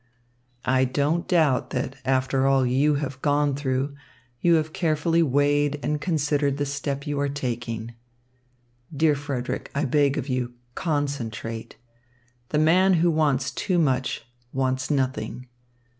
I don't doubt that after all you have gone through, you have carefully weighed and considered the step you are taking. Dear Frederick, I beg of you, concentrate. The man who wants too much wants nothing.